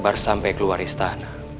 mudah sebar sampai keluar istana